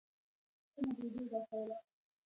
سمه ډوډۍ يې راکوله.